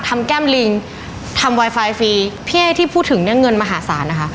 แก้มลิงทำไวไฟฟรีพี่ไอ้ที่พูดถึงเนี่ยเงินมหาศาลนะคะ